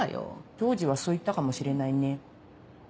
当時はそう言ったかもしれないね。